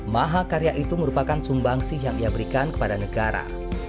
maha karya itu merupakan sumbangsih yang ia berikan kepada negara